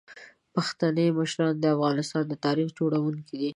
پښتني مشران د افغانستان د تاریخ جوړونکي دي.